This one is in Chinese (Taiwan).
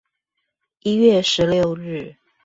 一月十六日